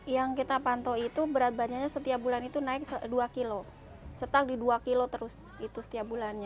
yang kita pantau itu berat badannya setiap bulan itu naik dua kilo setang di dua kilo terus itu setiap bulannya